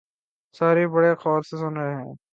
سارے بڑے غور سے سن رہے تھے